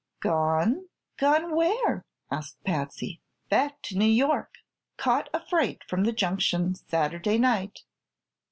"Gone! Gone where?" asked Patsy. "Back to New York. Caught a freight from the Junction Saturday night."